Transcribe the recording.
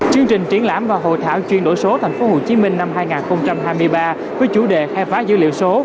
chương trình triển lãm và hội thảo chuyên đổi số tp hcm năm hai nghìn hai mươi ba với chủ đề khai phá dữ liệu số